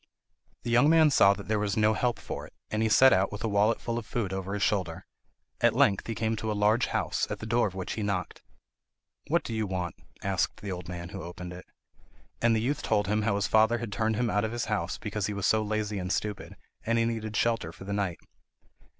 The young man saw that there was no help for it, and he set out with a wallet full of food over his shoulder. At length he came to a large house, at the door of which he knocked. "What do you want?" asked the old man who opened it. And the youth told him how his father had turned him out of his house because he was so lazy and stupid, and he needed shelter for the night.